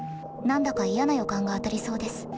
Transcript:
何だか嫌な予感が当たりそうです。